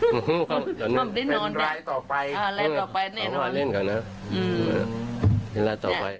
เป็นรายต่อไปนี่แหละ